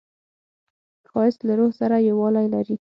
ښایست له روح سره یووالی لري